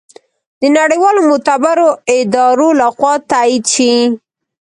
د نړیوالو معتبرو ادارو لخوا تائید شي